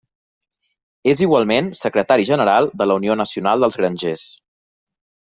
És igualment Secretari general de la Unió nacional dels Grangers.